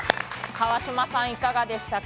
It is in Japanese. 川島さん、いかがでしたか？